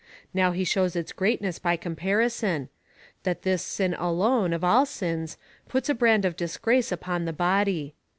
Now he shows its greatness by comparison — that this sin alone, of all sins, puts a brand of disgrace upon the body.